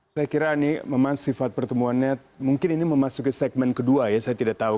saya kira ini memang sifat pertemuannya mungkin ini memasuki segmen kedua ya saya tidak tahu